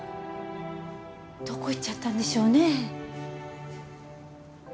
どこ行っちゃったんでしょうね。